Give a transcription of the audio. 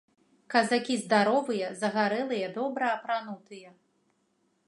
Казакі здаровыя, загарэлыя, добра апранутыя.